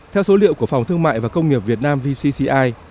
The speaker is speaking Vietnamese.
theo số liệu của phòng thương mại và công nghiệp việt nam vcci